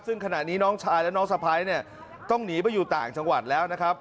ซึ่งขณะนี้น้องชายและน้องสะพ้ายเนี่ยต้องหนีไปอยู่ต่างจังหวัดแล้วนะครับ